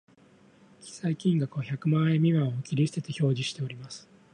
記載金額は百万円未満を切り捨てて表示しております